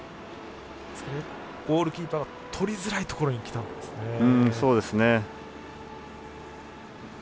ゴールキーパーとりづらいところにきたんですね。